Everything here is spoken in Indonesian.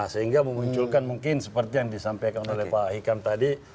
sehingga memunculkan mungkin seperti yang disampaikan oleh pak hikam tadi